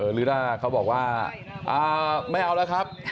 หรือถ้าเขาบอกว่าไม่เอาแล้วครับ